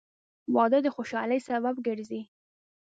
• واده د خوشحالۍ سبب ګرځي.